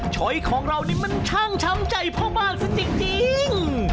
โชวิตของเรานี่มันช่างช้ำใจเพราะบ้างสิจริง